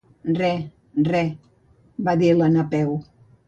Re, re —va dir la Napeu—.